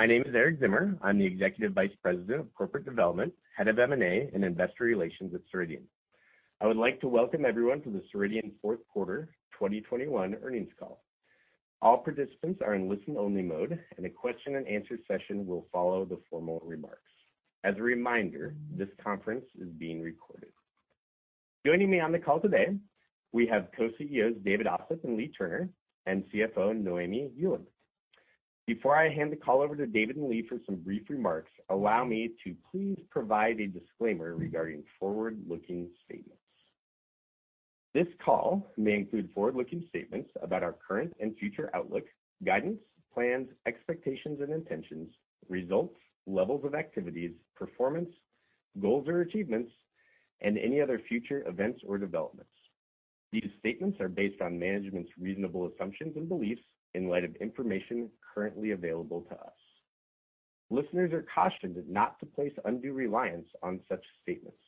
My name is Erik Zimmer. I'm the Executive Vice President of Corporate Development, Head of M&A and Investor Relations at Ceridian. I would like to welcome everyone to the Ceridian fourth quarter 2021 earnings call. All participants are in listen-only mode, and a question-and-answer session will follow the formal remarks. As a reminder, this conference is being recorded. Joining me on the call today, we have co-CEOs David Ossip and Leagh Turner, and CFO Noémie Heuland. Before I hand the call over to David and Leagh for some brief remarks, allow me to please provide a disclaimer regarding forward-looking statements. This call may include forward-looking statements about our current and future outlook, guidance, plans, expectations and intentions, results, levels of activities, performance, goals or achievements, and any other future events or developments. These statements are based on management's reasonable assumptions and beliefs in light of information currently available to us. Listeners are cautioned not to place undue reliance on such statements.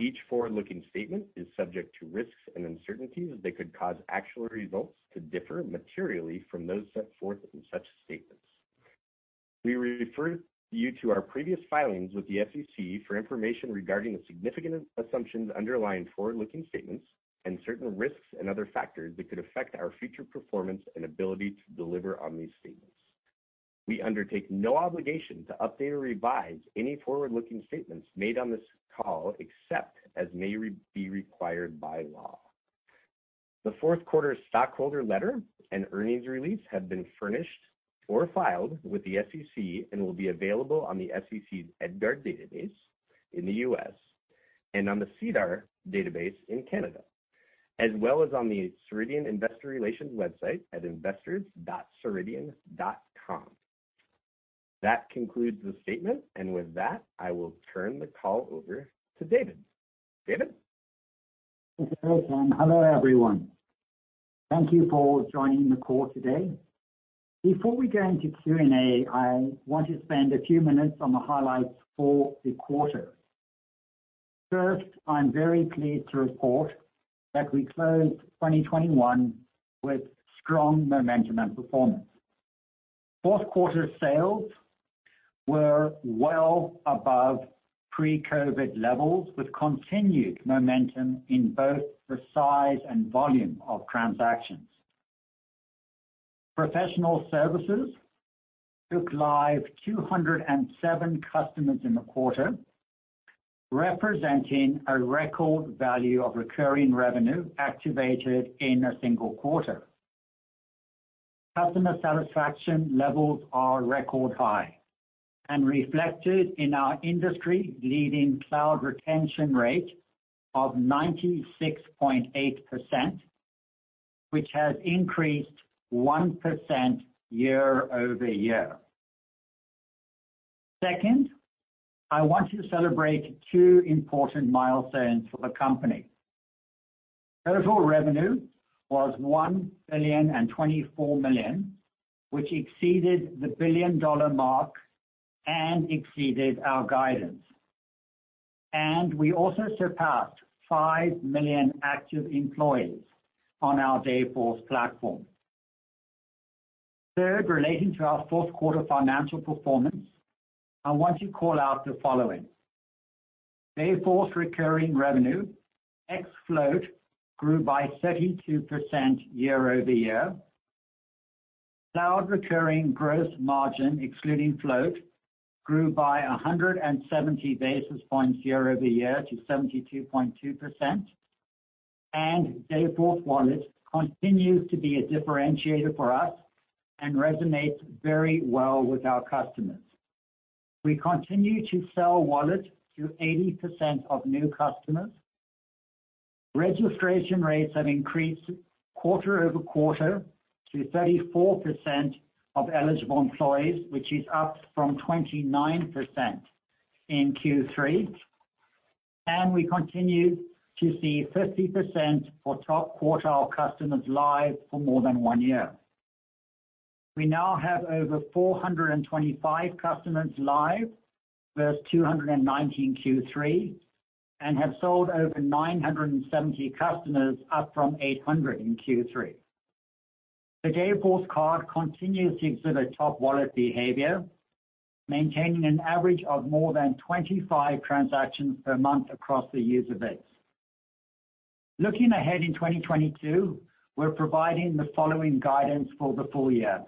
Each forward-looking statement is subject to risks and uncertainties that could cause actual results to differ materially from those set forth in such statements. We refer you to our previous filings with the SEC for information regarding the significant assumptions underlying forward-looking statements and certain risks and other factors that could affect our future performance and ability to deliver on these statements. We undertake no obligation to update or revise any forward-looking statements made on this call, except as may be required by law. The fourth quarter stockholder letter and earnings release have been furnished or filed with the SEC and will be available on the SEC's EDGAR database in the US and on the SEDAR database in Canada, as well as on the Ceridian investor relations website at investors.ceridian.com. That concludes the statement. With that, I will turn the call over to David. David? Thanks, Erik, and hello, everyone. Thank you for joining the call today. Before we go into Q&A, I want to spend a few minutes on the highlights for the quarter. First, I'm very pleased to report that we closed 2021 with strong momentum and performance. Fourth quarter sales were well above pre-COVID levels, with continued momentum in both the size and volume of transactions. Professional services took live 207 customers in the quarter, representing a record value of recurring revenue activated in a single quarter. Customer satisfaction levels are record high and reflected in our industry-leading cloud retention rate of 96.8%, which has increased 1% year-over-year. Second, I want to celebrate two important milestones for the company. Total revenue was $1.024 billion, which exceeded the billion-dollar mark and exceeded our guidance. We also surpassed 5 million active employees on our Dayforce platform. Third, relating to our fourth quarter financial performance, I want to call out the following. Dayforce recurring revenue ex float grew by 32% year-over-year. Cloud recurring gross margin, excluding float, grew by 170 basis points year-over-year to 72.2%. Dayforce Wallet continues to be a differentiator for us and resonates very well with our customers. We continue to sell Wallet to 80% of new customers. Registration rates have increased quarter-over-quarter to 34% of eligible employees, which is up from 29% in Q3. We continue to see 50% for top quartile customers live for more than one year. We now have over 425 customers live versus 219 Q3, and have sold over 970 customers, up from 800 in Q3. The Dayforce Card continues to exhibit top wallet behavior, maintaining an average of more than 25 transactions per month across the user base. Looking ahead in 2022, we're providing the following guidance for the full year.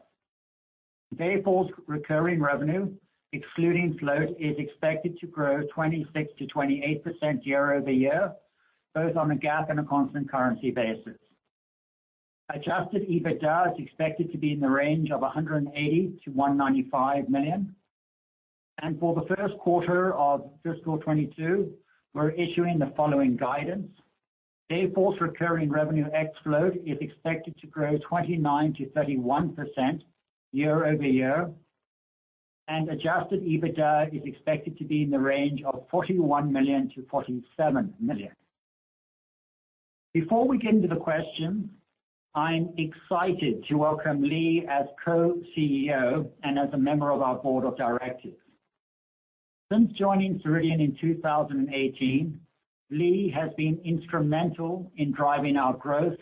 Dayforce recurring revenue, excluding float, is expected to grow 26%-28% year-over-year, both on a GAAP and a constant currency basis. Adjusted EBITDA is expected to be in the range of $180 million-$195 million. For the first quarter of fiscal 2022, we're issuing the following guidance. Dayforce recurring revenue ex float is expected to grow 29%-31% year-over-year, and adjusted EBITDA is expected to be in the range of $41 million-$47 million. Before we get into the questions, I'm excited to welcome Leagh as co-CEO and as a member of our board of directors. Since joining Ceridian in 2018, Leagh has been instrumental in driving our growth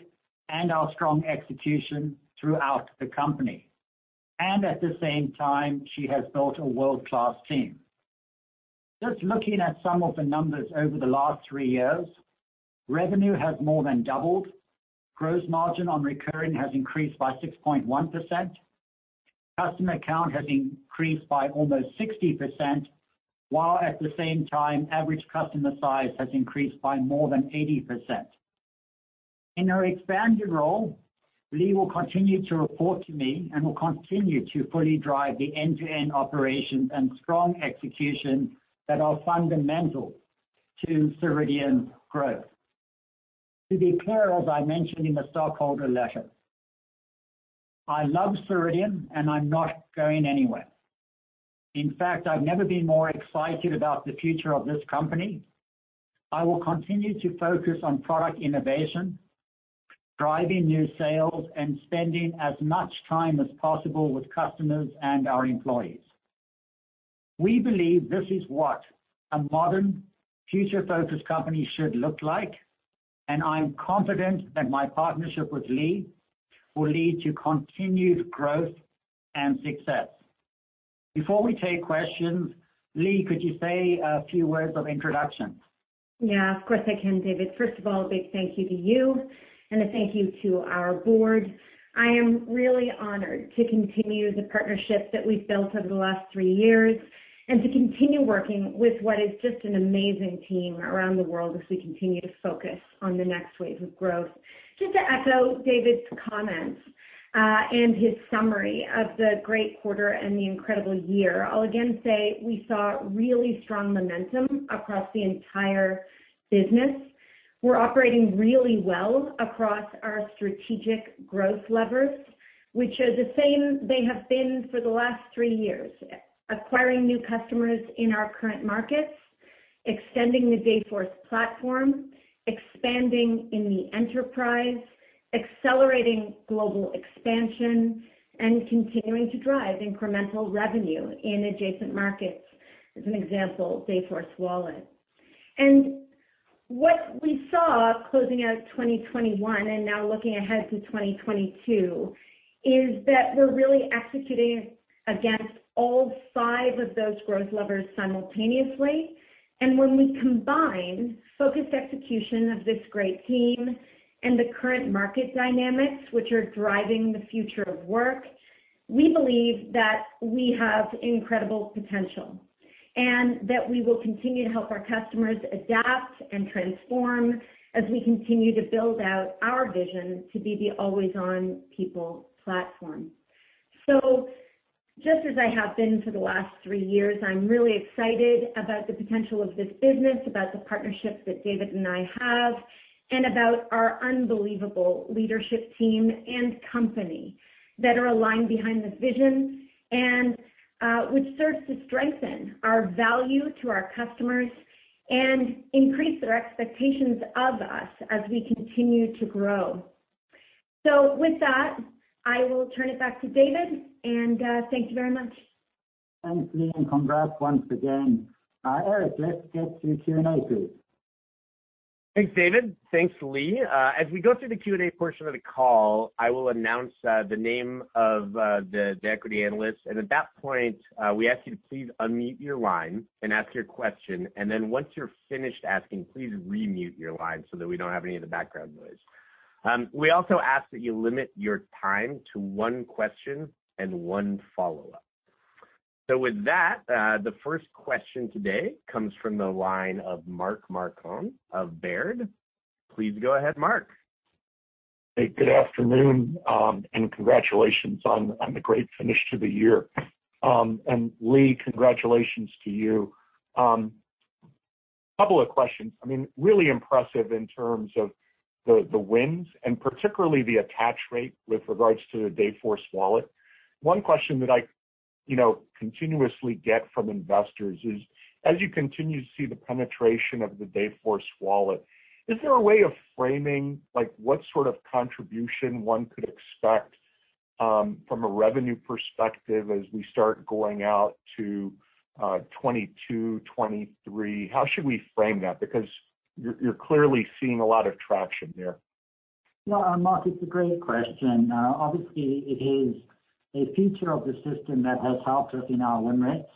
and our strong execution throughout the company. At the same time, she has built a world-class team. Just looking at some of the numbers over the last three years, revenue has more than doubled. Gross margin on recurring has increased by 6.1%. Customer count has increased by almost 60%, while at the same time, average customer size has increased by more than 80%. In her expanded role, Leagh will continue to report to me and will continue to fully drive the end-to-end operations and strong execution that are fundamental to Ceridian's growth. To be clear, as I mentioned in the stockholder letter, I love Ceridian, and I'm not going anywhere. In fact, I've never been more excited about the future of this company. I will continue to focus on product innovation, driving new sales, and spending as much time as possible with customers and our employees. We believe this is what a modern future-focused company should look like, and I'm confident that my partnership with Leagh will lead to continued growth and success. Before we take questions, Leagh, could you say a few words of introduction? Yeah, of course, I can, David. First of all, a big thank you to you and a thank you to our board. I am really honored to continue the partnership that we've built over the last three years and to continue working with what is just an amazing team around the world as we continue to focus on the next wave of growth. Just to echo David's comments and his summary of the great quarter and the incredible year, I'll again say we saw really strong momentum across the entire business. We're operating really well across our strategic growth levers, which are the same they have been for the last three years. Acquiring new customers in our current markets, extending the Dayforce platform, expanding in the enterprise, accelerating global expansion, and continuing to drive incremental revenue in adjacent markets, as an example, Dayforce Wallet. What we saw closing out 2021 and now looking ahead to 2022 is that we're really executing against all five of those growth levers simultaneously. When we combine focused execution of this great team and the current market dynamics which are driving the future of work, we believe that we have incredible potential, and that we will continue to help our customers adapt and transform as we continue to build out our vision to be the always on people platform. Just as I have been for the last three years, I'm really excited about the potential of this business, about the partnerships that David and I have, and about our unbelievable leadership team and company that are aligned behind this vision, and, which serves to strengthen our value to our customers and increase their expectations of us as we continue to grow. With that, I will turn it back to David, and thank you very much. Thanks, Leagh, and congrats once again. Erik, let's get to Q&A please. Thanks, David. Thanks, Leagh. As we go through the Q&A portion of the call, I will announce the name of the equity analyst. At that point, we ask you to please unmute your line and ask your question. Then once you're finished asking, please remute your line so that we don't have any of the background noise. We also ask that you limit your time to one question and one follow-up. With that, the first question today comes from the line of Mark Marcon of Baird. Please go ahead, Mark. Hey, good afternoon, and congratulations on the great finish to the year. And Leagh, congratulations to you. Couple of questions. I mean, really impressive in terms of the wins and particularly the attach rate with regards to the Dayforce Wallet. One question that I you know continuously get from investors is, as you continue to see the penetration of the Dayforce Wallet, is there a way of framing like what sort of contribution one could expect from a revenue perspective as we start going out to 2022, 2023? How should we frame that? Because you're clearly seeing a lot of traction there. Yeah. Mark, it's a great question. Obviously it is a feature of the system that has helped us in our win rates,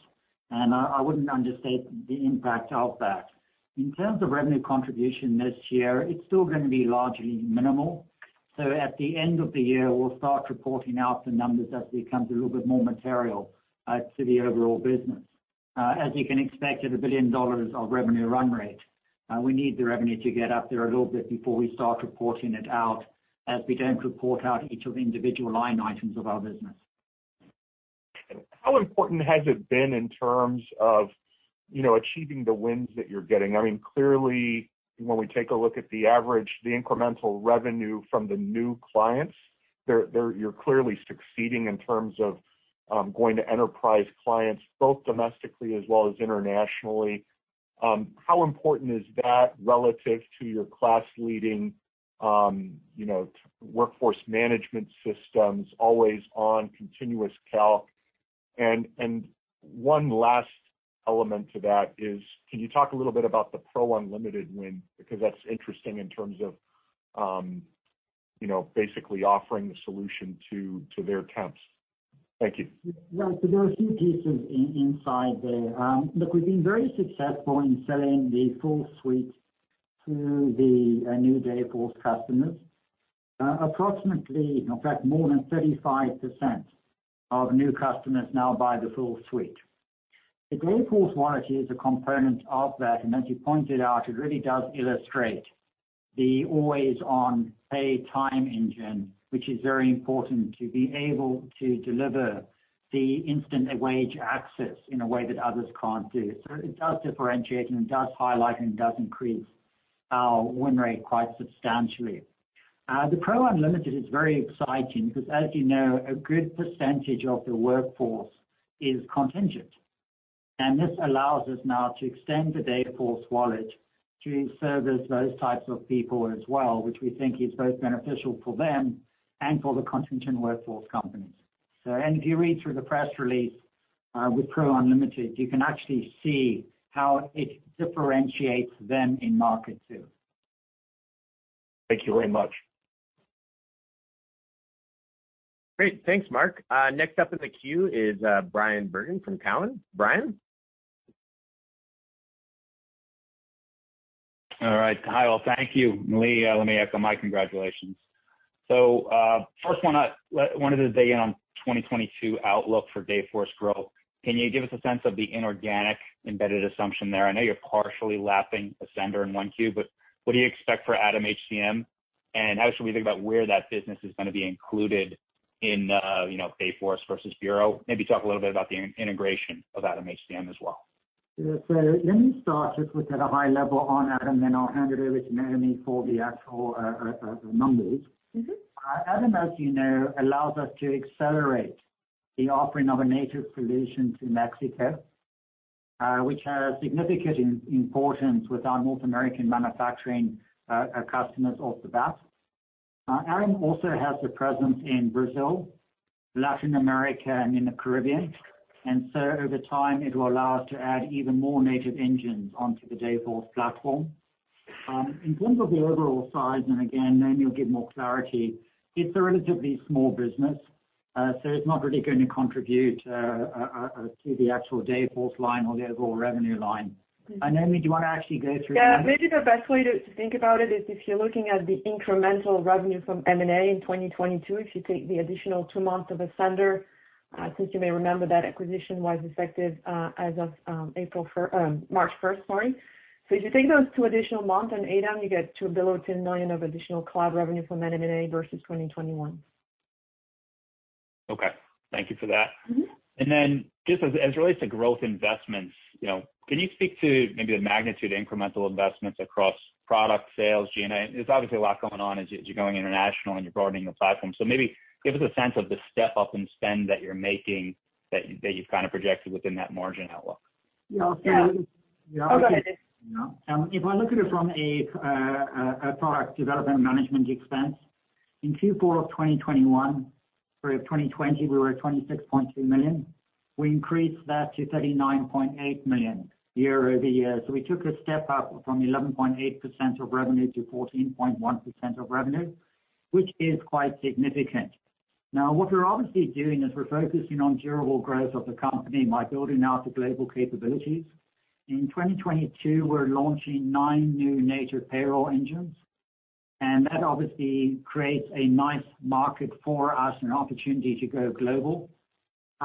and I wouldn't understate the impact of that. In terms of revenue contribution this year, it's still gonna be largely minimal. At the end of the year, we'll start reporting out the numbers as it becomes a little bit more material to the overall business. As you can expect, at a $1 billion of revenue run rate, we need the revenue to get up there a little bit before we start reporting it out, as we don't report out each of the individual line items of our business. How important has it been in terms of, you know, achieving the wins that you're getting? I mean, clearly when we take a look at the average, the incremental revenue from the new clients. You're clearly succeeding in terms of going to enterprise clients, both domestically as well as internationally. How important is that relative to your class leading, you know, the workforce management systems always-on continuous calculation? One last element to that is, can you talk a little bit about the PRO Unlimited win? Because that's interesting in terms of, you know, basically offering the solution to their temps. Thank you. Right. There are a few pieces in there. Look, we've been very successful in selling the full suite to the new Dayforce customers. Approximately, in fact, more than 35% of new customers now buy the full suite. The Dayforce Wallet is a component of that, and as you pointed out, it really does illustrate the always-on payroll engine, which is very important to be able to deliver the instant wage access in a way that others can't do. It does differentiate and it does highlight, and it does increase our win rate quite substantially. The PRO Unlimited is very exciting because as you know, a good percentage of the workforce is contingent. This allows us now to extend the Dayforce Wallet to service those types of people as well, which we think is both beneficial for them and for the contingent workforce companies. If you read through the press release with PRO Unlimited, you can actually see how it differentiates them in market too. Thank you very much. Great. Thanks, Mark. Next up in the queue is Bryan Bergin from Cowen. Brian? All right, [Kyle]. Thank you. Leagh, let me echo my congratulations. First one, I wanted to weigh in on 2022 outlook for Dayforce growth. Can you give us a sense of the inorganic embedded assumption there? I know you're partially lapping Ascender in 1Q, but what do you expect for ADAM HCM? How should we think about where that business is gonna be included in Dayforce versus Bureau? Maybe talk a little bit about the integration of ADAM HCM as well. Let me start just with at a high level on Adam, and I'll hand it over to Noémie for the actual numbers. ADAM, as you know, allows us to accelerate the offering of a native solution to Mexico, which has significant importance with our North American manufacturing customers off the bat. ADAM also has a presence in Brazil, Latin America, and in the Caribbean. Over time, it will allow us to add even more native engines onto the Dayforce platform. In terms of the overall size, and again, Noémie will give more clarity, it's a relatively small business. It's not really gonna contribute to the actual Dayforce line or the overall revenue line. Noémie, do you wanna actually go through the numbers? Yeah. Maybe the best way to think about it is if you're looking at the incremental revenue from M&A in 2022, if you take the additional two months of Ascender, since you may remember that acquisition was effective as of March first, sorry. If you take those two additional months on ADAM, you get $2.01 billion of additional cloud revenue from that M&A versus 2021. Okay. Thank you for that. Just as it relates to growth investments, you know, can you speak to maybe the magnitude incremental investments across product sales, G&A? There's obviously a lot going on as you're going international and you're broadening the platform. Maybe give us a sense of the step up in spend that you're making that you've kind of projected within that margin outlook. Oh, go ahead, David. No, if I look at it from a product development management expense, in Q4 of 2020, we were at $26.2 million. We increased that to $39.8 million year over year. We took a step up from 11.8% of revenue to 14.1% of revenue, which is quite significant. Now, what we're obviously doing is we're focusing on durable growth of the company by building out the global capabilities. In 2022, we're launching nine new native payroll engines, and that obviously creates a nice market for us and an opportunity to go global.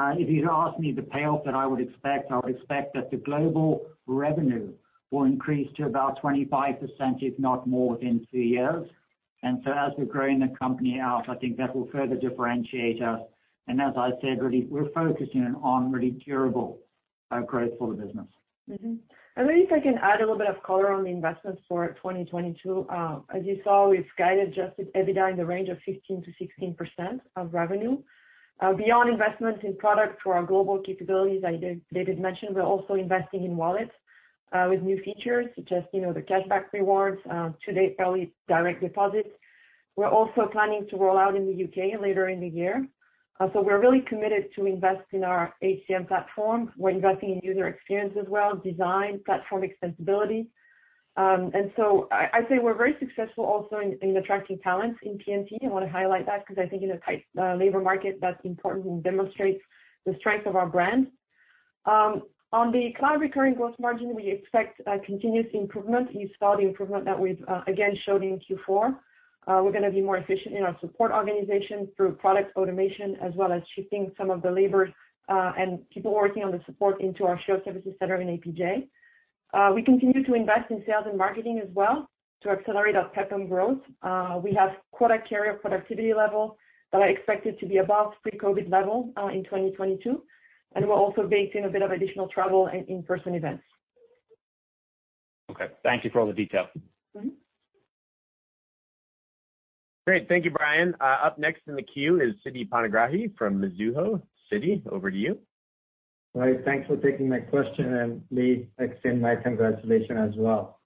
If you'd asked me the payoff that I would expect, I would expect that the global revenue will increase to about 25%, if not more, within two years. as we're growing the company out, I think that will further differentiate us. As I said, really, we're focusing on really durable growth for the business. Maybe if I can add a little bit of color on the investments for 2022. As you saw, we've guided adjusted EBITDA in the range of 15%-16% of revenue. Beyond investments in product for our global capabilities, as David mentioned, we're also investing in wallets with new features such as, you know, the cashback rewards, two-day early direct deposits. We're also planning to roll out in the U.K. later in the year. We're really committed to invest in our HCM platform. We're investing in user experience as well, design, platform extensibility. I'd say we're very successful also in attracting talent in P&T. I wanna highlight that because I think in a tight labor market, that's important and demonstrates the strength of our brand. On the cloud recurring gross margin, we expect continuous improvement. You saw the improvement that we've again showed in Q4. We're gonna be more efficient in our support organization through product automation as well as shifting some of the labor and people working on the support into our shared services center in APJ. We continue to invest in sales and marketing as well to accelerate our platform growth. We have quota-carrying productivity levels that are expected to be above pre-COVID levels in 2022, and we're also baking a bit of additional travel and in-person events. Okay. Thank you for all the detail. Great. Thank you, Bryan. Up next in the queue is Siti Panigrahi from Mizuho. Siti, over to you. All right, thanks for taking my question, and Leagh, extend my congratulations as well.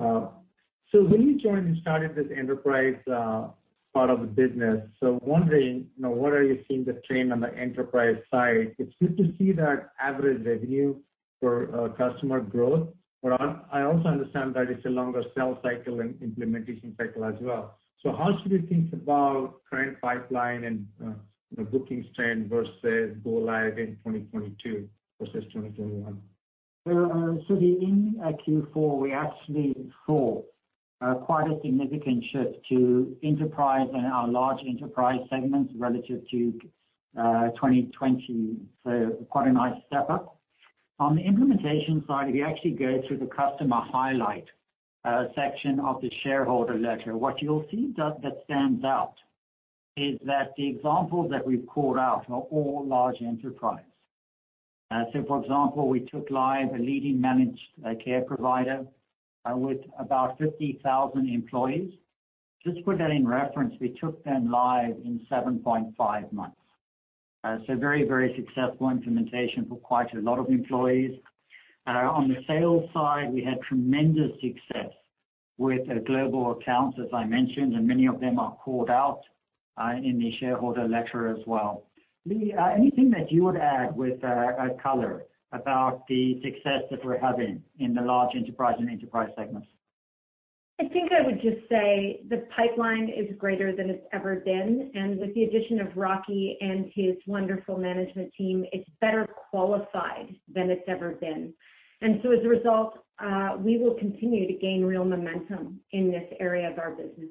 When you joined and started this enterprise part of the business, wondering, you know, what are you seeing the trend on the enterprise side? It's good to see that average revenue for customer growth. I also understand that it's a longer sales cycle and implementation cycle as well. How should we think about current pipeline and the booking trend versus go live in 2022 versus 2021? Siti, in Q4, we actually saw quite a significant shift to enterprise and our large enterprise segments relative to 2020. Quite a nice step up. On the implementation side, if you actually go through the customer highlight section of the shareholder letter, what you'll see that stands out is that the examples that we've called out are all large enterprise. For example, we took live a leading managed care provider with about 50,000 employees. Just to put that in reference, we took them live in 7.5 months. Very, very successful implementation for quite a lot of employees. On the sales side, we had tremendous success with global accounts, as I mentioned, and many of them are called out in the shareholder letter as well. Leagh, anything that you would add with color about the success that we're having in the large enterprise and enterprise segments? I think I would just say the pipeline is greater than it's ever been. With the addition of Rocky and his wonderful management team, it's better qualified than it's ever been. As a result, we will continue to gain real momentum in this area of our business.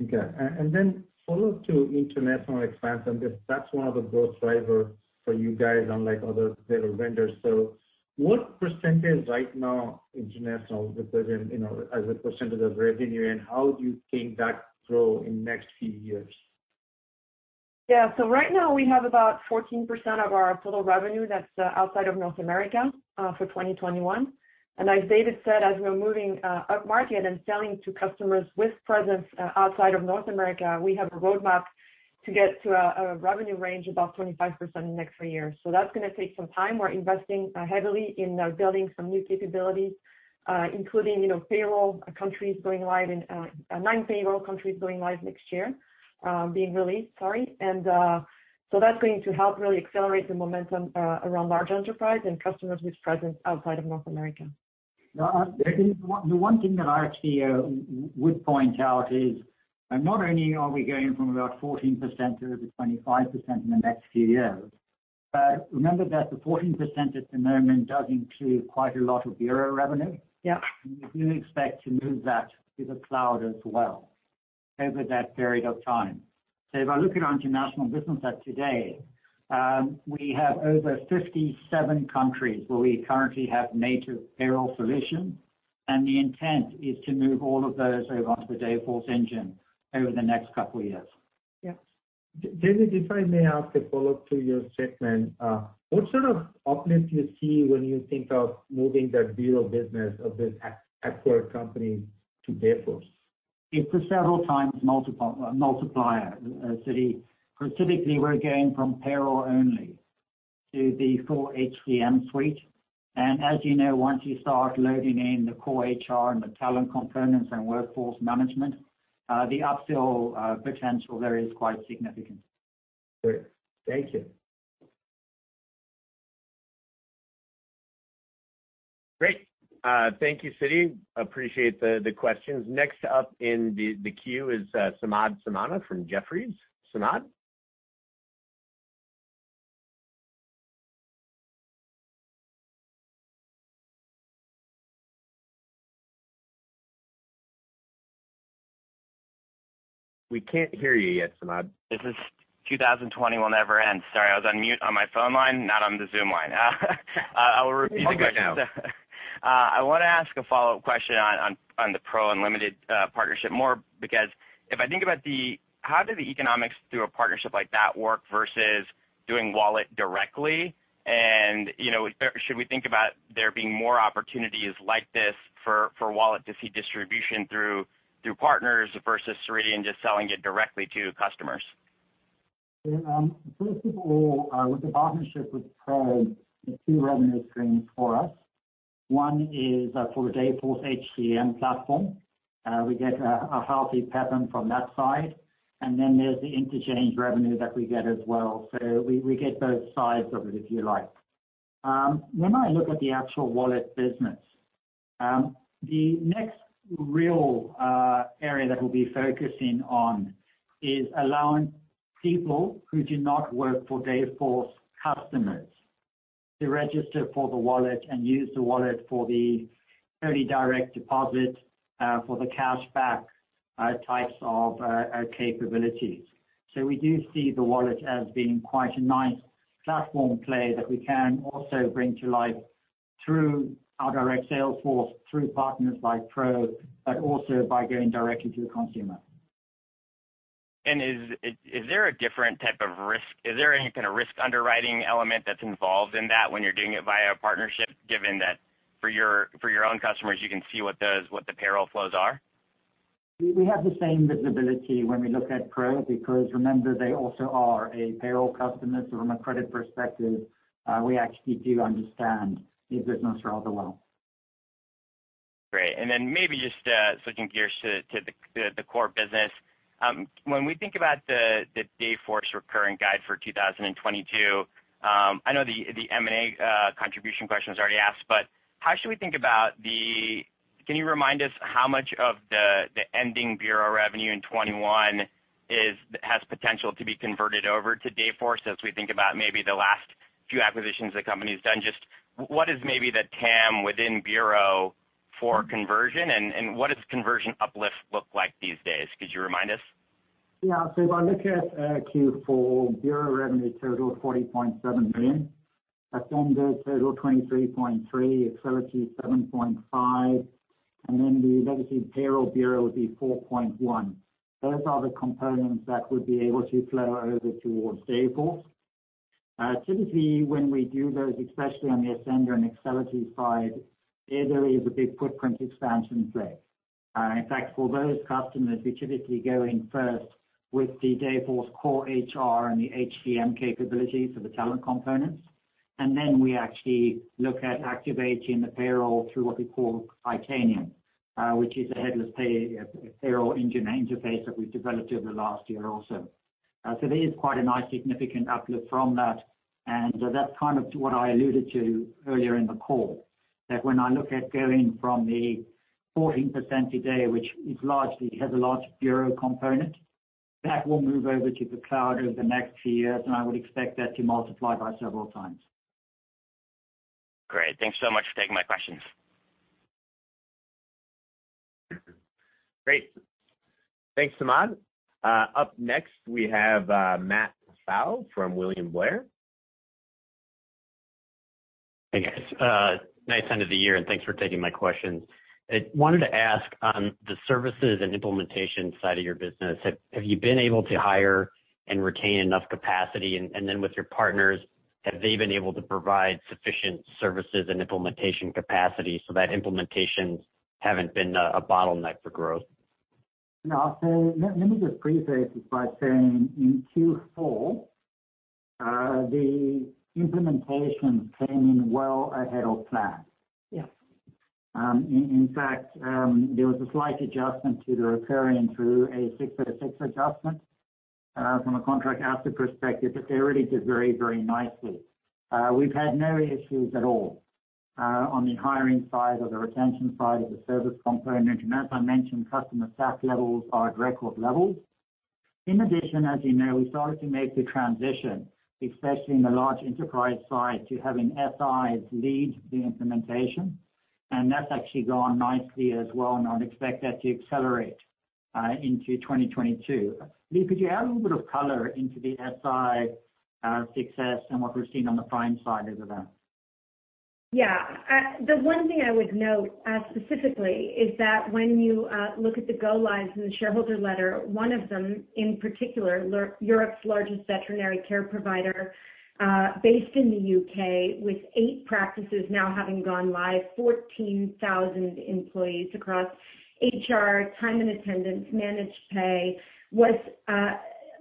Okay. Then follow up to international expansion, because that's one of the growth drivers for you guys unlike other payroll vendors. What percentage right now international represent, you know, as a percentage of revenue, and how do you think that grow in next few years? Right now we have about 14% of our total revenue that's outside of North America for 2021. As David said, as we're moving upmarket and selling to customers with presence outside of North America, we have a roadmap to get to a revenue range about 25% in the next three years. That's gonna take some time. We're investing heavily in building some new capabilities, including nine payroll countries going live next year, being released, sorry. That's going to help really accelerate the momentum around large enterprise and customers with presence outside of North America. The one thing that I actually would point out is not only are we going from about 14% to the 25% in the next few years, but remember that the 14% at the moment does include quite a lot of bureau revenue. We do expect to move that to the cloud as well over that period of time. If I look at international business as today, we have over 57 countries where we currently have native payroll solution, and the intent is to move all of those over onto the Dayforce engine over the next couple of years. David, if I may ask a follow-up to your statement. What sort of uplift do you see when you think of moving that bureau business of this acquired company to Dayforce? It's a several times multiple, multiplier, Siti. Specifically, we're going from payroll only to the full HCM suite. As you know, once you start loading in the core HR and the talent components and workforce management, the upsell potential there is quite significant. Great. Thank you. Great. Thank you, Siti. Appreciate the questions. Next up in the queue is Samad Samana from Jefferies. Samad? We can't hear you yet, Samad. 2020 will never end. Sorry, I was on mute on my phone line, not on the Zoom line. I will repeat the question. I wanna ask a follow-up question on the PRO Unlimited partnership more, because if I think about how do the economics through a partnership like that work versus doing Wallet directly? You know, should we think about there being more opportunities like this for Wallet to see distribution through partners versus Ceridian just selling it directly to customers? Yeah, first of all, with the partnership with PRO, there's two revenue streams for us. One is for Dayforce HCM platform. We get a healthy portion from that side. Then there's the interchange revenue that we get as well. We get both sides of it, if you like. When I look at the actual Wallet business, the next real area that we'll be focusing on is allowing people who do not work for Dayforce customers to register for the Wallet and use the Wallet for the early direct deposit, for the cashback types of capabilities. We do see the Wallet as being quite a nice platform play that we can also bring to life through our direct sales force, through partners like PRO, but also by going directly to the consumer. Is there a different type of risk? Is there any kind of risk underwriting element that's involved in that when you're doing it via a partnership, given that for your own customers, you can see what the payroll flows are? We have the same visibility when we look at PRO because remember, they also are a payroll customer. From a credit perspective, we actually do understand the business rather well. Great. Maybe just switching gears to the core business. When we think about the Dayforce recurring guide for 2022, I know the M&A contribution question was already asked. Can you remind us how much of the ending bureau revenue in 2021 has potential to be converted over to Dayforce as we think about maybe the last few acquisitions the company's done? Just what is maybe the TAM within bureau for conversion, and what does conversion uplift look like these days? Could you remind us? Yeah. If I look at Q4, bureau revenue total, $40.7 million. Ascender total, $23.3 million. Excelity, $7.5 million. The Legacy Payroll Bureau would be $4.1 million. Those are the components that would be able to flow over towards Dayforce. Typically, when we do those, especially on the Ascender and Excelity side, there is a big footprint expansion play. In fact, for those customers, we typically go in first with the Dayforce core HR and the HCM capabilities for the talent components. We actually look at activating the payroll through what we call Titanium, which is a headless pay payroll engine interface that we've developed over the last year or so. There is quite a nice significant uplift from that. That's kind of what I alluded to earlier in the call, that when I look at going from the 14% today, which largely has a large bureau component, that will move over to the cloud over the next few years, and I would expect that to multiply by several times. Great. Thanks so much for taking my questions. Great. Thanks, Samad. Up next, we have Matt Pfau from William Blair. Hey, guys. Nice end of the year, and thanks for taking my questions. I wanted to ask on the services and implementation side of your business, have you been able to hire and retain enough capacity? And then with your partners, have they been able to provide sufficient services and implementation capacity so that implementations haven't been a bottleneck for growth? No. Let me just preface this by saying in Q4, the implementations came in well ahead of plan. In fact, there was a slight adjustment to the recurring revenue true-up from a contract asset perspective, but they really did very nicely. We've had no issues at all on the hiring side or the retention side of the service component. As I mentioned, customer staff levels are at record levels. In addition, as you know, we started to make the transition, especially in the large enterprise side, to having SIs lead the implementation. That's actually gone nicely as well, and I'd expect that to accelerate into 2022. Leagh, could you add a little bit of color into the SI success and what we're seeing on the prime side of that? Yeah. The one thing I would note specifically is that when you look at the go lives in the shareholder letter, one of them in particular, Europe's largest veterinary care provider, based in the U.K. with eight practices now having gone live, 14,000 employees across HR, time and attendance, managed pay, was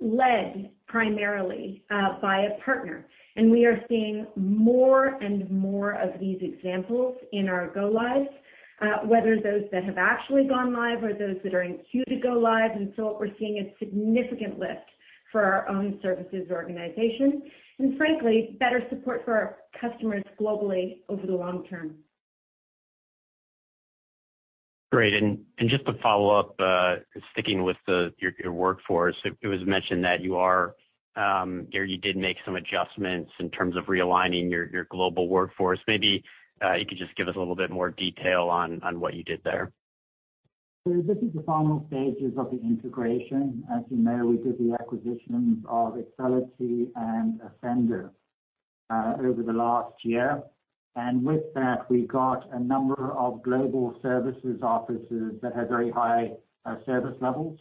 led primarily by a partner. We are seeing more and more of these examples in our go lives, whether those that have actually gone live or those that are in queue to go live. What we're seeing is significant lift for our own services organization, and frankly, better support for our customers globally over the long term. Great. Just to follow up, sticking with your workforce, it was mentioned that you did make some adjustments in terms of realigning your global workforce. Maybe you could just give us a little bit more detail on what you did there. This is the final stages of the integration. As you know, we did the acquisitions of Excelity and Ascender over the last year. With that, we got a number of global services offices that had very high service levels.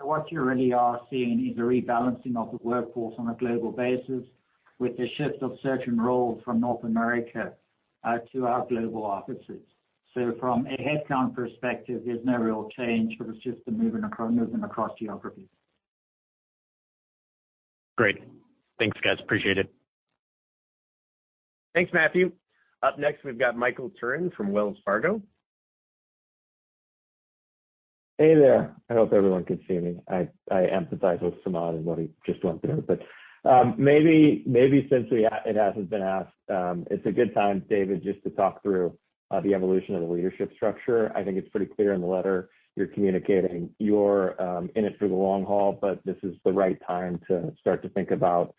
What you really are seeing is a rebalancing of the workforce on a global basis with the shift of certain roles from North America to our global offices. From a headcount perspective, there's no real change, but it's just a moving across geographies. Great. Thanks, guys. Appreciate it. Thanks, Matthew. Up next, we've got Michael Turrin from Wells Fargo. Hey there. I hope everyone can see me. I empathize with Samad and what he just went through. Maybe since it hasn't been asked, it's a good time, David, just to talk through the evolution of the leadership structure. I think it's pretty clear in the letter you're communicating you're in it for the long haul, but this is the right time to start to think about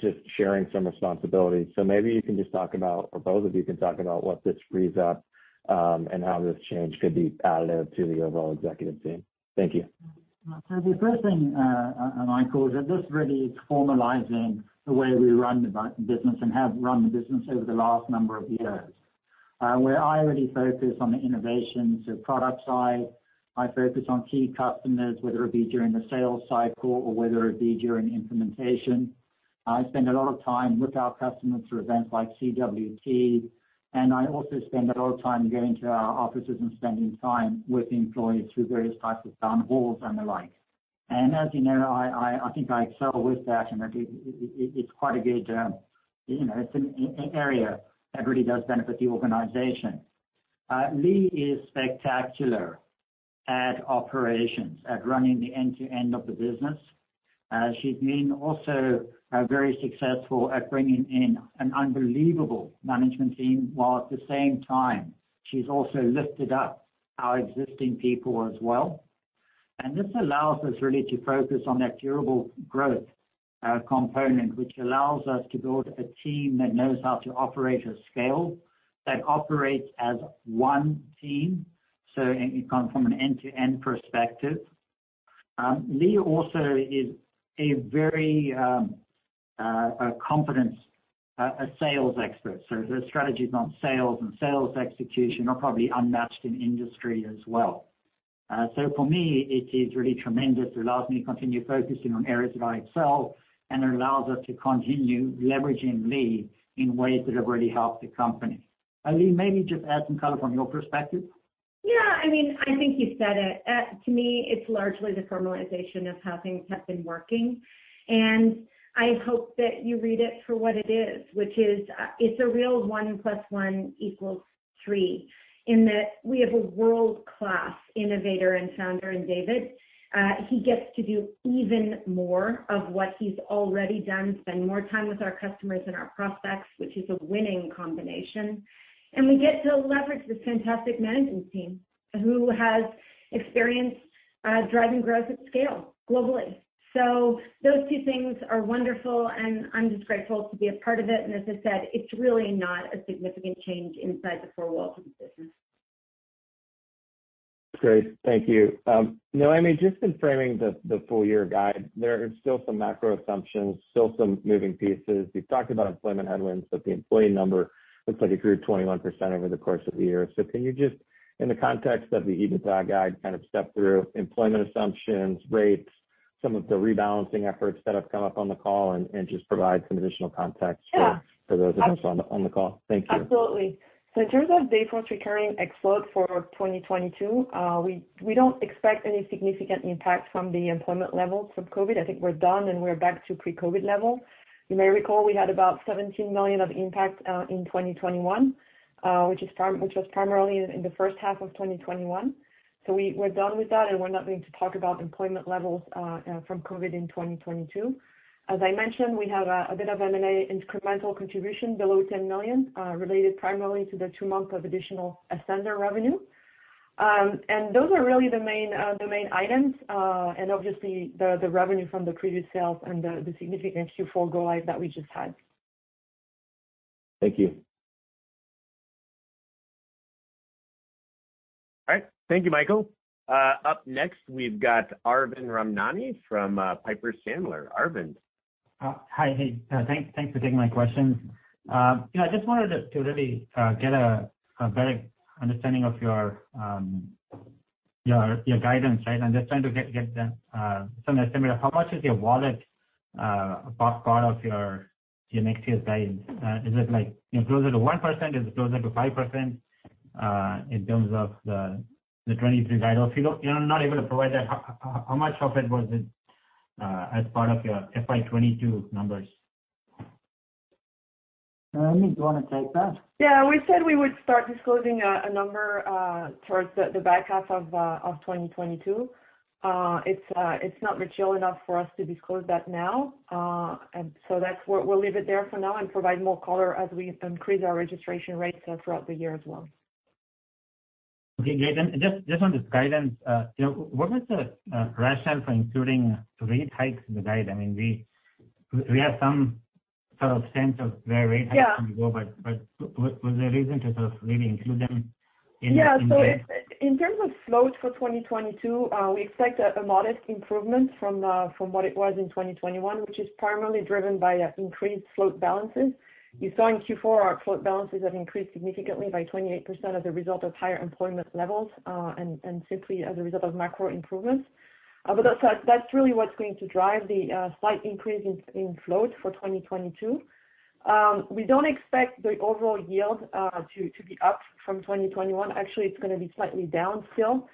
just sharing some responsibilities. Maybe you can just talk about, or both of you can talk about what this frees up and how this change could be additive to the overall executive team. Thank you. The first thing, Michael, is that this really is formalizing the way we run the business and have run the business over the last number of years, where I really focus on the innovation, so product side. I focus on key customers, whether it be during the sales cycle or whether it be during implementation. I spend a lot of time with our customers through events like INSIGHTS, and I also spend a lot of time going to our offices and spending time with employees through various types of town halls and the like. As you know, I think I excel with that, and I think it's quite a good, you know, it's an area that really does benefit the organization. Leigh is spectacular at operations, at running the end-to-end of the business. She's been also very successful at bringing in an unbelievable management team, while at the same time, she's also lifted up our existing people as well. This allows us really to focus on that durable growth component, which allows us to build a team that knows how to operate at scale, that operates as one team, so, and from an end-to-end perspective. Leagh also is a very competent sales expert, so her strategies on sales and sales execution are probably unmatched in the industry as well. So for me, it is really tremendous. It allows me to continue focusing on areas that I excel, and it allows us to continue leveraging Leagh in ways that have really helped the company. Leagh, maybe just add some color from your perspective. Yeah, I mean, I think you said it. To me, it's largely the formalization of how things have been working. I hope that you read it for what it is, which is, it's a real one plus one equals three in that we have a world-class innovator and founder in David. He gets to do even more of what he's already done, spend more time with our customers and our prospects, which is a winning combination. We get to leverage this fantastic management team who has experience driving growth at scale globally. Those two things are wonderful, and I'm just grateful to be a part of it. As I said, it's really not a significant change inside the four walls of the business. Great. Thank you. Noémie, just in framing the full year guide, there are still some macro assumptions, still some moving pieces. You've talked about employment headwinds, but the employee number looks like it grew 21% over the course of the year. Can you just, in the context of the EBITDA guide, kind of step through employment assumptions, rates, some of the rebalancing efforts that have come up on the call and just provide some additional context? For those of us on the call? Thank you. Absolutely. In terms of Dayforce recurring exclude for 2022, we don't expect any significant impact from the employment levels from COVID. I think we're done, and we're back to pre-COVID level. You may recall we had about $17 million of impact in 2021, which was primarily in the first half of 2021. We're done with that, and we're not going to talk about employment levels from COVID in 2022. As I mentioned, we have a bit of M&A incremental contribution below $10 million, related primarily to the 2 months of additional Ascender revenue. And those are really the main items, and obviously the revenue from the previous sales and the significant Q4 go live that we just had. Thank you. All right. Thank you, Michael. Up next, we've got Arvind Ramnani from Piper Sandler. Arvind? Hi. Hey, thanks for taking my questions. You know, I just wanted to really get a better understanding of your guidance, right? I'm just trying to get some estimate of how much is your wallet part of your next year's guidance. Is it like, you know, closer to 1%? Is it closer to 5% in terms of the 2023 guide? Or if you're not able to provide that, how much of it was it as part of your FY 2022 numbers? Noémie, do you wanna take that? Yeah. We said we would start disclosing a number towards the back half of 2022. It's not mature enough for us to disclose that now. That's where we'll leave it there for now and provide more color as we increase our registration rates throughout the year as well. Okay, great. Just on this guidance, you know, what was the rationale for including rate hikes in the guide? I mean, we have some sort of sense of where rate hikes was there a reason to sort of really include them in the Yeah. In terms of float for 2022, we expect a modest improvement from what it was in 2021, which is primarily driven by increased float balances. You saw in Q4 our float balances have increased significantly by 28% as a result of higher employment levels and simply as a result of macro improvements. That's really what's going to drive the slight increase in float for 2022. We don't expect the overall yield to be up from 2021. Actually, it's gonna be slightly down still,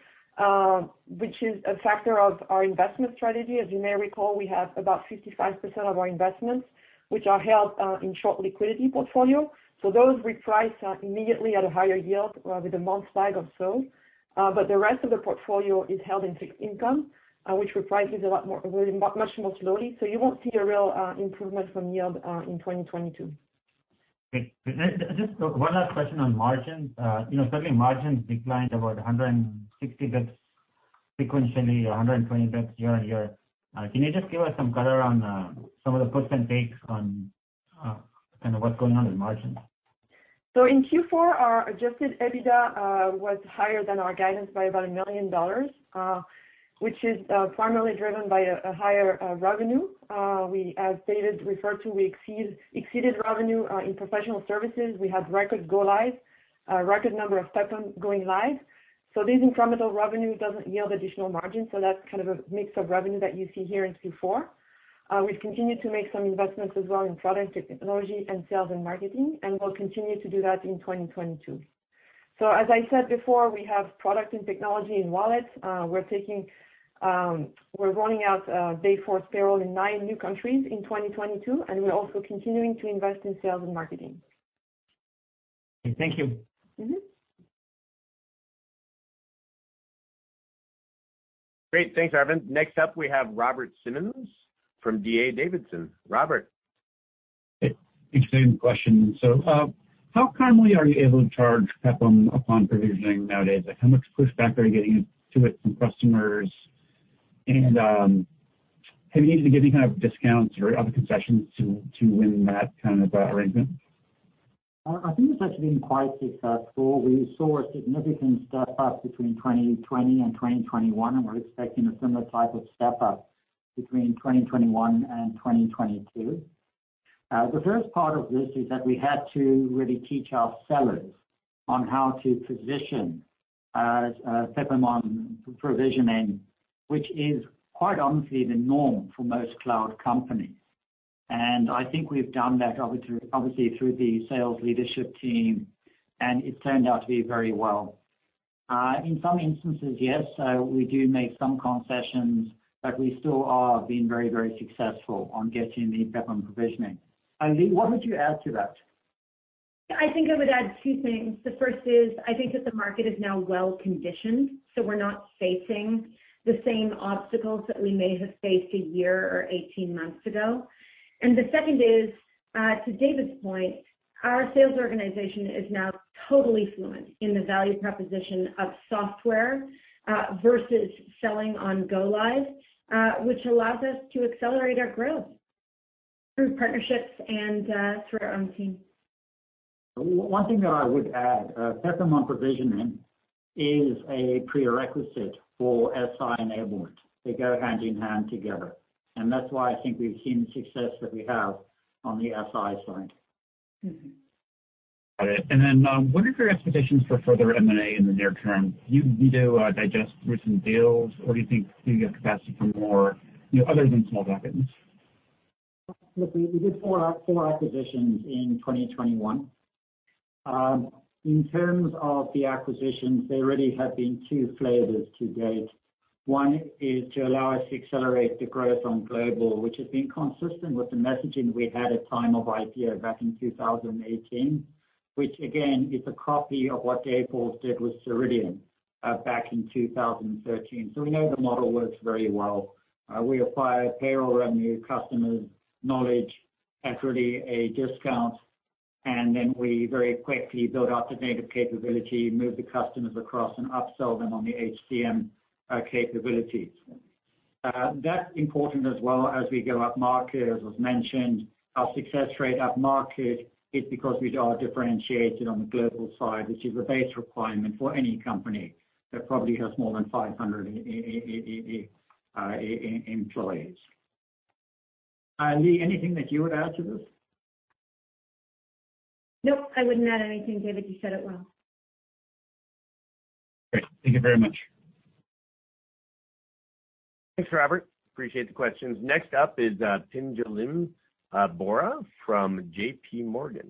which is a factor of our investment strategy. As you may recall, we have about 55% of our investments which are held in short liquidity portfolio. Those reprice immediately at a higher yield with a month lag or so. The rest of the portfolio is held into income, which reprices a lot more, very much, much more slowly. You won't see a real improvement from yield in 2022. Great. Then just one last question on margins. You know, certainly margins declined about 160 basis points sequentially or 120 basis points year-over-year. Can you just give us some color on some of the puts and takes on kind of what's going on with margins? In Q4, our adjusted EBITDA was higher than our guidance by about $1 million, which is primarily driven by higher revenue. We, as David referred to, exceeded revenue in professional services. We had record go lives, record number of people going live. This incremental revenue doesn't yield additional margin, so that's kind of a mix of revenue that you see here in Q4. We've continued to make some investments as well in product technology and sales and marketing, and we'll continue to do that in 2022. As I said before, we have product and technology in wallet. We're rolling out Dayforce Payroll in 9 new countries in 2022, and we're also continuing to invest in sales and marketing. Thank you. Great. Thanks, Arvind. Next up, we have Robert Simmons from D.A. Davidson. Robert. Hey. Thanks. Same question. How commonly are you able to charge PEPPM upon provisioning nowadays? Like, how much pushback are you getting to it from customers? Have you needed to give any kind of discounts or other concessions to win that kind of arrangement? I think it's actually been quite successful. We saw a significant step up between 2020 and 2021, and we're expecting a similar type of step up between 2021 and 2022. The first part of this is that we had to really teach our sellers on how to position PEPM on provisioning, which is, quite honestly, the norm for most cloud companies. I think we've done that obviously through the sales leadership team, and it's turned out to be very well. In some instances, yes, we do make some concessions, but we still are being very, very successful on getting the PEPM provisioning. Leagh, what would you add to that? I think I would add two things. The first is, I think that the market is now well conditioned, so we're not facing the same obstacles that we may have faced a year or eighteen months ago. The second is, to David's point, our sales organization is now totally fluent in the value proposition of software, versus selling on go live, which allows us to accelerate our growth through partnerships and through our own team. One thing that I would add, PEPM on provisioning is a prerequisite for SI enablement. They go hand in hand together. That's why I think we've seen the success that we have on the SI side. Got it. What are your expectations for further M&A in the near term? Do you digest recent deals, or do you think you have capacity for more, you know, other than small buckets? Look, we did four acquisitions in 2021. In terms of the acquisitions, there already have been two flavors to date. One is to allow us to accelerate the growth on global, which has been consistent with the messaging we had at time of IPO back in 2018, which again, is a copy of what the Apax did with Ceridian back in 2013. We know the model works very well. We acquire payroll revenue, customers, knowledge, equity, a discount, and then we very quickly build out the native capability, move the customers across and upsell them on the HCM capabilities. That's important as well as we go up market. As was mentioned, our success rate up market is because we are differentiated on the global side, which is a base requirement for any company that probably has more than 500 employees. Leagh, anything that you would add to this? Nope. I wouldn't add anything, David. You said it well. Great. Thank you very much. Thanks, Robert. Appreciate the questions. Next up is, Pinjalim Bora from JPMorgan.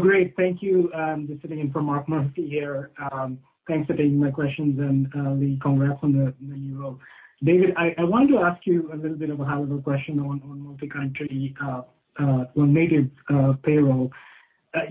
Great. Thank you. Just sitting in for Mark Murphy here. Thanks for taking my questions. Leagh, congrats on the new role. David, I wanted to ask you a little bit of a high-level question on multi-country or native payroll.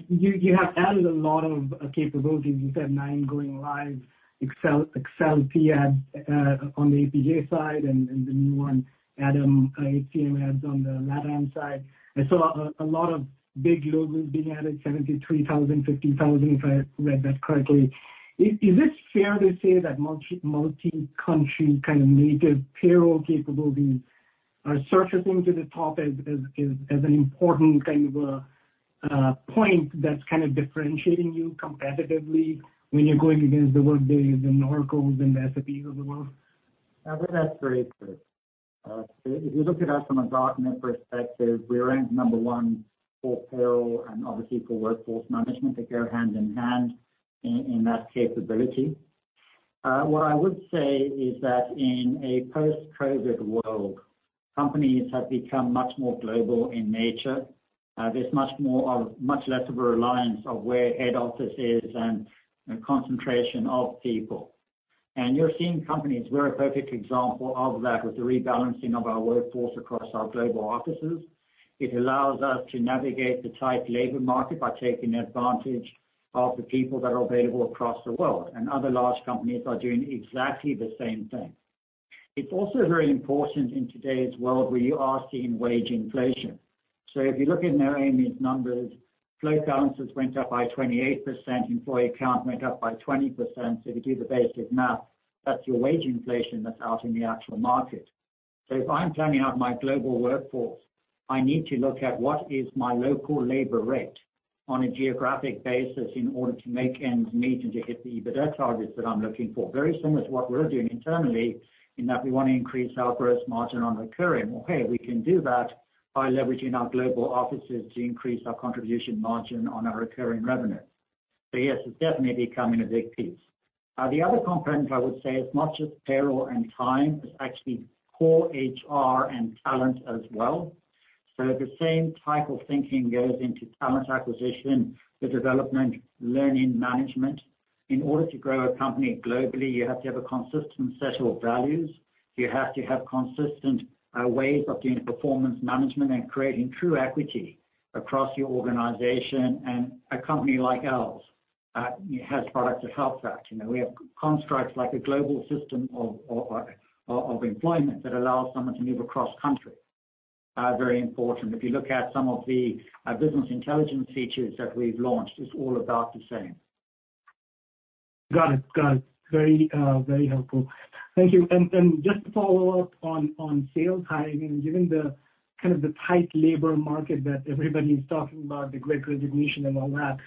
You have added a lot of capabilities. You said nine going live, Excelity on the APJ side and the new one, ADAM HCM adds on the Latin side. I saw a lot of big logos being added, 73,000, 50,000, if I read that correctly. Is it fair to say that multi-country kind of native payroll capabilities are surfacing to the top as an important kind of a point that's kind of differentiating you competitively when you're going against the Workday and Oracle and SAP of the world? I think that's very true. If you look at us from a Gartner perspective, we rank number one for payroll and obviously for workforce management. They go hand in hand in that capability. What I would say is that in a post-COVID world, companies have become much more global in nature. There's much less of a reliance on where head office is and, you know, concentration of people. You're seeing companies, we're a perfect example of that, with the rebalancing of our workforce across our global offices. It allows us to navigate the tight labor market by taking advantage of the people that are available across the world, and other large companies are doing exactly the same thing. It's also very important in today's world where you are seeing wage inflation. If you look at Noémie's numbers, float balances went up by 28%, employee count went up by 20%. If you do the basic math, that's your wage inflation that's out in the actual market. If I'm planning out my global workforce, I need to look at what is my local labor rate on a geographic basis in order to make ends meet and to hit the EBITDA targets that I'm looking for. Very similar to what we're doing internally in that we want to increase our gross margin on recurring. Well, hey, we can do that by leveraging our global offices to increase our contribution margin on our recurring revenue. Yes, it's definitely becoming a big piece. The other component, I would say, is not just payroll and time, it's actually core HR and talent as well. The same type of thinking goes into talent acquisition, the development, learning management. In order to grow a company globally, you have to have a consistent set of values. You have to have consistent ways of doing performance management and creating true equity across your organization. A company like ours has products that help that. We have constructs like a global system of employment that allows someone to move across country. Very important. If you look at some of the business intelligence features that we've launched, it's all about the same. Got it. Very, very helpful. Thank you. Just to follow up on sales hiring, given the kind of the tight labor market that everybody's talking about, the great resignation and all that,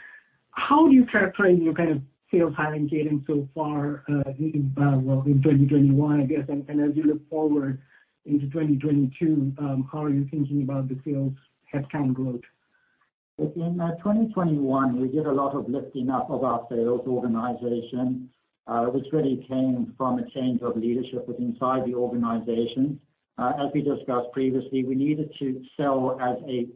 how do you characterize your kind of sales hiring cadence so far in 2021, I guess? As you look forward into 2022, how are you thinking about the sales headcount growth? In 2021, we did a lot of lifting up of our sales organization, which really came from a change of leadership inside the organization. As we discussed previously, we needed to sell as a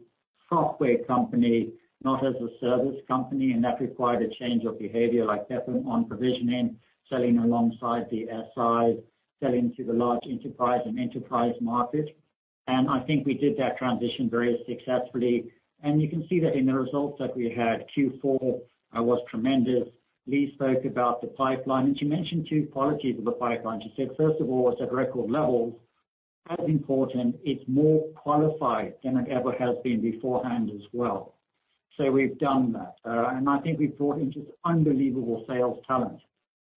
software company, not as a service company, and that required a change of behavior like that one on provisioning, selling alongside the SI, selling to the large enterprise and enterprise market. I think we did that transition very successfully. You can see that in the results that we had. Q4 was tremendous. Leagh spoke about the pipeline, and she mentioned two qualities of the pipeline. She said, first of all, it's at record levels. As important, it's more qualified than it ever has been beforehand as well. We've done that. I think we've brought in just unbelievable sales talent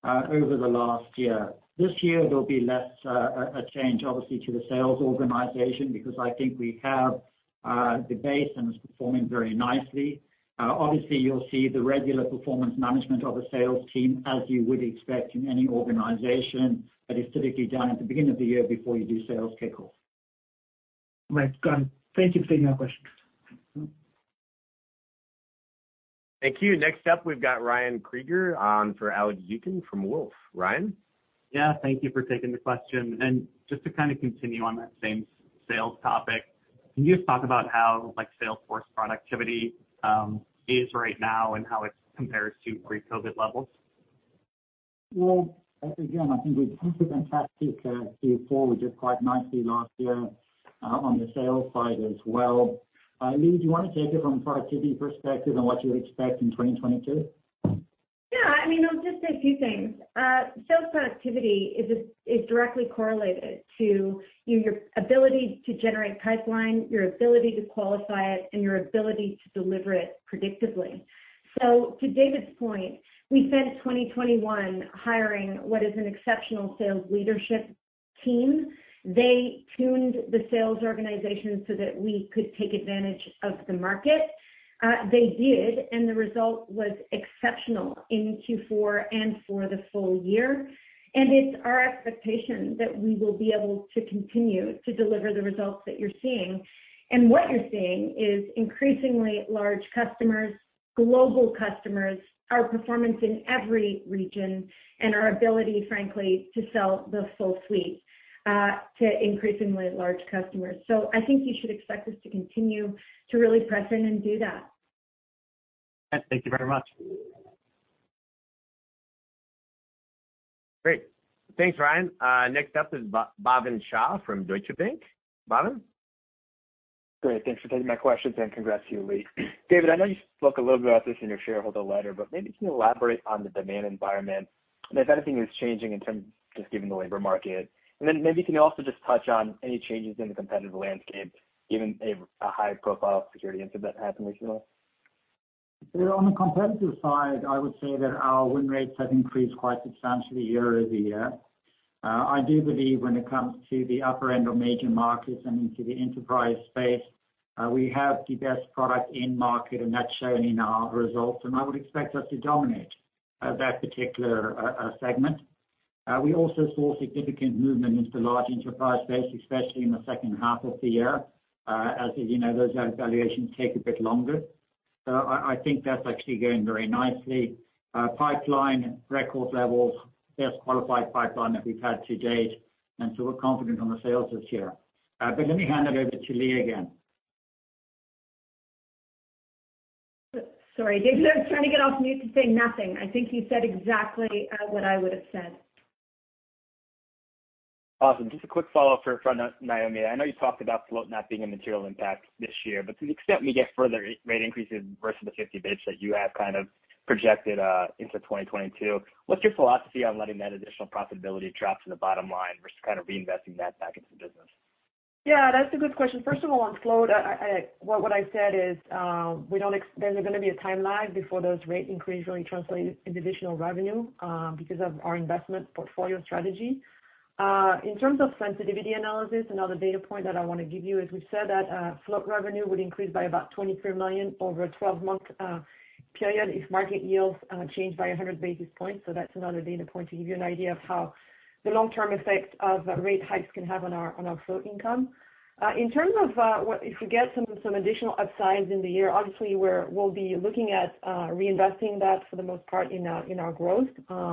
over the last year. This year, there'll be less, a change, obviously, to the sales organization because I think we have, the base, and it's performing very nicely. Obviously, you'll see the regular performance management of the sales team as you would expect in any organization that is typically done at the beginning of the year before you do sales kickoff. Right. Got it. Thank you for taking our questions. Thank you. Next up, we've got Ryan Krieger on for Alex Zukin from Wolfe. Ryan? Yeah. Thank you for taking the question. Just to kind of continue on that same sales topic, can you just talk about how, like, sales force productivity is right now and how it compares to pre-COVID levels? Well, again, I think we've had a fantastic Q4. We did quite nicely last year on the sales side as well. Leagh, do you want to take it from a productivity perspective on what you would expect in 2022? Yeah. I mean, I'll just say a few things. Sales productivity is directly correlated to your ability to generate pipeline, your ability to qualify it, and your ability to deliver it predictably. To David's point, we spent 2021 hiring what is an exceptional sales leadership team. They tuned the sales organization so that we could take advantage of the market. They did, and the result was exceptional in Q4 and for the full year. It's our expectation that we will be able to continue to deliver the results that you're seeing. What you're seeing is increasingly large customers, global customers, our performance in every region, and our ability, frankly, to sell the full suite to increasingly large customers. I think you should expect us to continue to really press in and do that. Thank you very much. Great. Thanks, Ryan. Next up is Bhavin Shah from Deutsche Bank. Bhavin? Great. Thanks for taking my questions, and congrats to you, Leagh. David, I know you spoke a little bit about this in your shareholder letter, but maybe can you elaborate on the demand environment and if anything is changing in terms of just given the labor market? And then maybe can you also just touch on any changes in the competitive landscape given a high-profile security incident that happened recently? On the competitive side, I would say that our win rates have increased quite substantially year-over-year. I do believe when it comes to the upper end of major markets and into the enterprise space, we have the best product in market, and that's shown in our results, and I would expect us to dominate that particular segment. We also saw significant movement into large enterprise space, especially in the second half of the year, as you know, those evaluations take a bit longer. So I think that's actually going very nicely. Pipeline record levels, best qualified pipeline that we've had to date, and so we're confident on the sales this year. Let me hand it over to Leagh again. Sorry, David. I was trying to get off mute to say nothing. I think you said exactly what I would have said. Awesome. Just a quick follow-up for, from Noémie. I know you talked about float not being a material impact this year, but to the extent we get further rate increases versus the 50 basis points that you have kind of projected into 2022, what's your philosophy on letting that additional profitability drop to the bottom line versus kind of reinvesting that back into the business? Yeah, that's a good question. First of all, on float, what I said is, there's gonna be a timeline before those rate increase really translate into additional revenue, because of our investment portfolio strategy. In terms of sensitivity analysis, another data point that I wanna give you is we've said that, float revenue would increase by about $23 million over a twelve-month period if market yields change by 100 basis points. So that's another data point to give you an idea of how the long-term effect of rate hikes can have on our float income. In terms of what if we get some additional upsides in the year, obviously, we'll be looking at reinvesting that for the most part in our growth.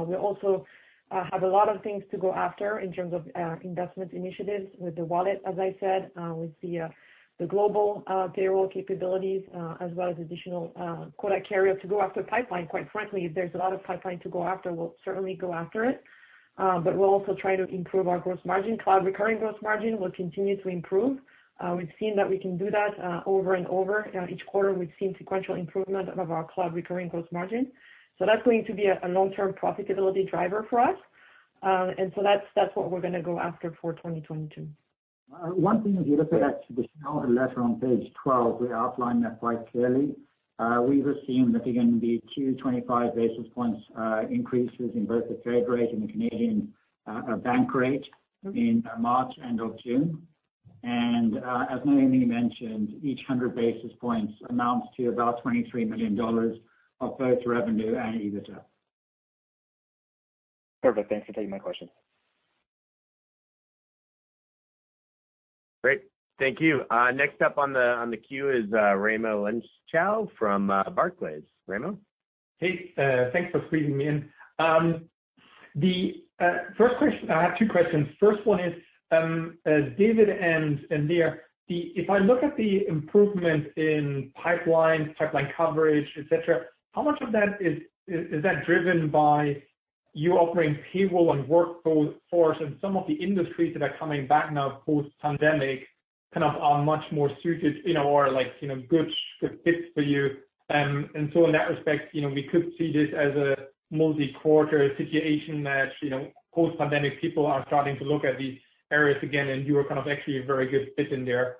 We also have a lot of things to go after in terms of investment initiatives with the wallet, as I said, with the global payroll capabilities, as well as additional quota carrier to go after pipeline. Quite frankly, if there's a lot of pipeline to go after, we'll certainly go after it. We'll also try to improve our gross margin. Cloud recurring gross margin will continue to improve. We've seen that we can do that over and over. Each quarter, we've seen sequential improvement of our cloud recurring gross margin. That's going to be a long-term profitability driver for us. That's what we're gonna go after for 2022. One thing, if you look at the shareholder letter on page 12, we outline that quite clearly. We've assumed that there are gonna be two 25 basis points increases in both the Fed rate and the Canadian bank rate in March, end of June. As Noémie mentioned, each 100 basis points amounts to about $23 million of both revenue and EBITDA. Perfect. Thanks for taking my question. Great. Thank you. Next up on the queue is Raimo Lenschow from Barclays. Raimo? Hey, thanks for squeezing me in. I have two questions. First one is, as David and Leagh, if I look at the improvement in pipeline coverage, et cetera, how much of that is driven by you offering payroll and workforce, and some of the industries that are coming back now post-pandemic kind of are much more suited, you know, or like, you know, good fits for you. In that respect, you know, we could see this as a multi-quarter situation that, you know, post-pandemic people are starting to look at these areas again, and you are kind of actually a very good fit in there.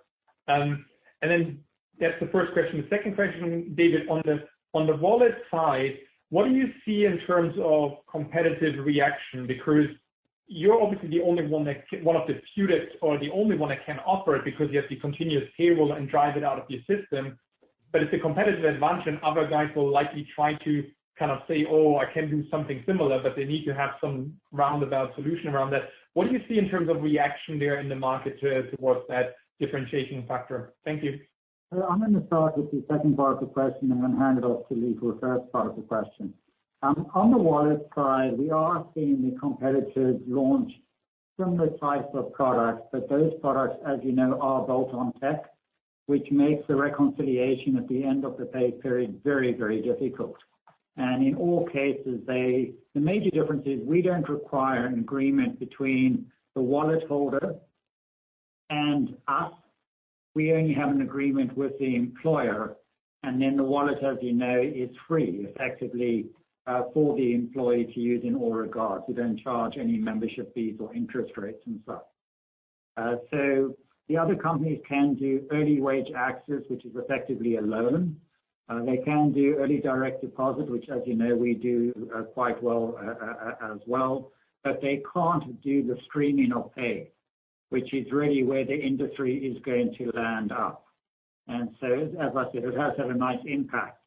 That's the first question. The second question, David, on the wallet side, what do you see in terms of competitive reaction? Because you're obviously the only one that can offer it because you have the continuous payroll and drive it out of your system. But it's a competitive advantage, and other guys will likely try to kind of say, "Oh, I can do something similar," but they need to have some roundabout solution around that. What do you see in terms of reaction there in the market towards that differentiation factor? Thank you. I'm gonna start with the second part of the question, and then hand it off to Leagh for the first part of the question. On the wallet side, we are seeing the competitors launch similar types of products, but those products, as you know, are built on tech, which makes the reconciliation at the end of the pay period very, very difficult. In all cases, the major difference is we don't require an agreement between the wallet holder and us. We only have an agreement with the employer, and then the wallet, as you know, is free effectively for the employee to use in all regards. We don't charge any membership fees or interest rates and such. The other companies can do early wage access, which is effectively a loan. They can do early direct deposit, which as you know, we do quite well, as well. But they can't do the streaming of pay, which is really where the industry is going to end up. As I said, it has had a nice impact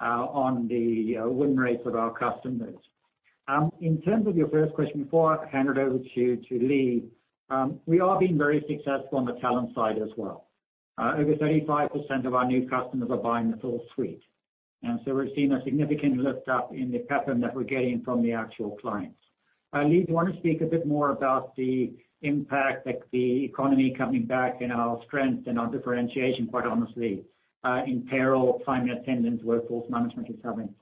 on the win rates with our customers. In terms of your first question, before I hand it over to Leagh, we are being very successful on the talent side as well. Over 35% of our new customers are buying the full suite. We're seeing a significant lift up in the pattern that we're getting from the actual clients. Leagh, do you wanna speak a bit more about the impact that the economy coming back and our strength and our differentiation, quite honestly, in payroll, time and attendance, workforce management is having?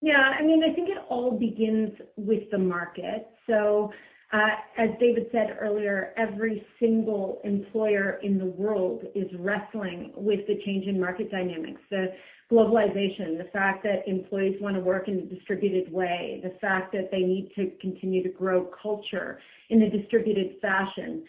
Yeah. I mean, I think it all begins with the market. As David said earlier, every single employer in the world is wrestling with the change in market dynamics. The globalization, the fact that employees wanna work in a distributed way, the fact that they need to continue to grow culture in a distributed fashion.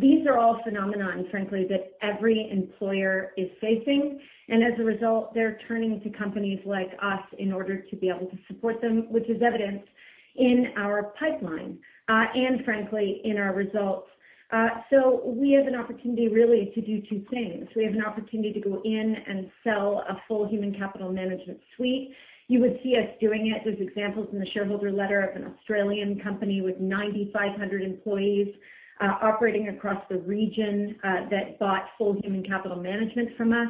These are all phenomena, frankly, that every employer is facing. As a result, they're turning to companies like us in order to be able to support them, which is evidenced in our pipeline, and frankly, in our results. We have an opportunity really to do two things. We have an opportunity to go in and sell a full human capital management suite. You would see us doing it. There's examples in the shareholder letter of an Australian company with 9,500 employees, operating across the region, that bought full human capital management from us.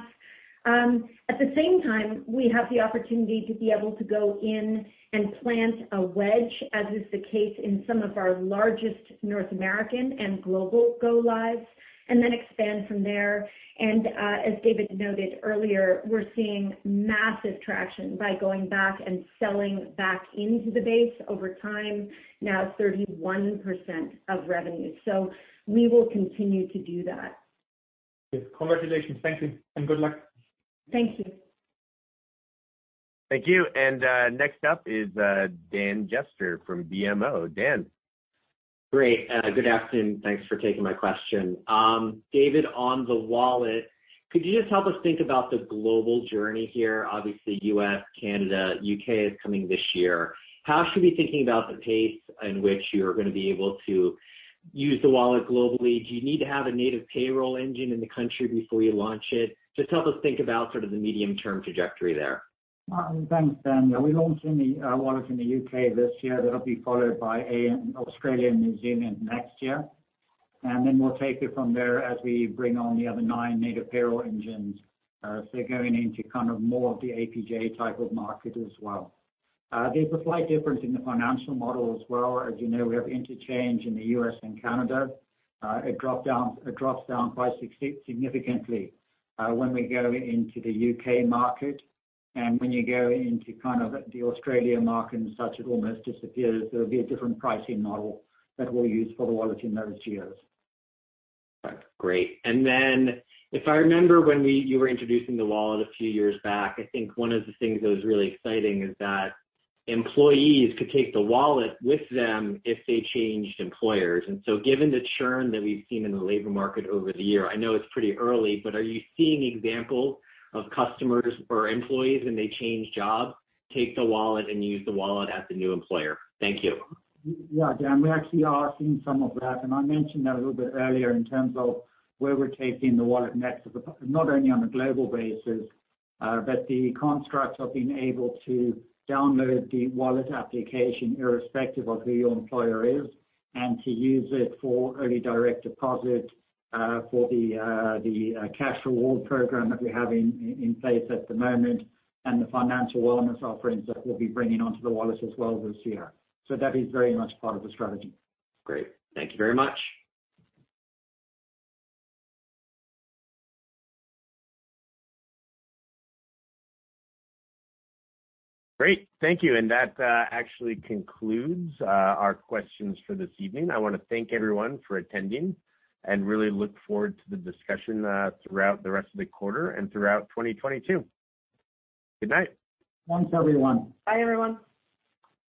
At the same time, we have the opportunity to be able to go in and plant a wedge, as is the case in some of our largest North American and global go lives, and then expand from there. As David noted earlier, we're seeing massive traction by going back and selling back into the base over time, now 31% of revenue. We will continue to do that. Congratulations. Thank you and good luck. Thank you. Thank you. Next up is Dan Jester from BMO. Dan. Great. Good afternoon. Thanks for taking my question. David, on the Wallet, could you just help us think about the global journey here? Obviously, U.S., Canada, U.K. is coming this year. How should we be thinking about the pace in which you're gonna be able to use the Wallet globally? Do you need to have a native payroll engine in the country before you launch it? Just help us think about sort of the medium-term trajectory there. Thanks, Dan. Yeah, we launched in the Wallet in the U.K. this year. That'll be followed by Australia and New Zealand next year. We'll take it from there as we bring on the other nine native payroll engines, so going into kind of more of the APJ type of market as well. There's a slight difference in the financial model as well. As you know, we have interchange in the U.S. and Canada. It drops down quite significantly when we go into the U.K. market. When you go into kind of the Australia market and such, it almost disappears. There'll be a different pricing model that we'll use for the Wallet in those geos. Great. If I remember when we, you were introducing the Wallet a few years back, I think one of the things that was really exciting is that employees could take the Wallet with them if they changed employers. Given the churn that we've seen in the labor market over the year, I know it's pretty early, but are you seeing examples of customers or employees, when they change jobs, take the Wallet and use the Wallet at the new employer? Thank you. Yeah, Dan, we actually are seeing some of that, and I mentioned that a little bit earlier in terms of where we're taking the Wallet next, not only on a global basis, but the construct of being able to download the Wallet application irrespective of who your employer is and to use it for early direct deposit, for the cash reward program that we have in place at the moment, and the financial wellness offerings that we'll be bringing onto the Wallet as well this year. That is very much part of the strategy. Great. Thank you very much. Great. Thank you. That actually concludes our questions for this evening. I wanna thank everyone for attending and really look forward to the discussion throughout the rest of the quarter and throughout 2022. Good night. Thanks, everyone. Bye, everyone.